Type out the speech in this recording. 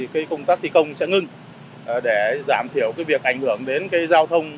công tác thi công sẽ ngưng để giảm thiểu việc ảnh hưởng đến giao thông